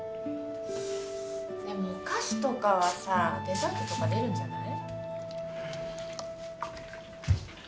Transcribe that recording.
でもお菓子とかはさデザートとか出るんじゃない？